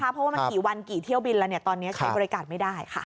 เพราะว่ามันกี่วันกี่เที่ยวบินแล้วตอนนี้ใช้บริการไม่ได้ค่ะ